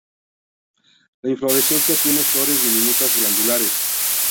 La inflorescencia tienen flores diminutas glandulares.